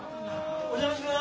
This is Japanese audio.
お邪魔します。